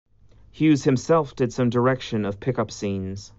Hughes himself did some direction of pick-up scenes.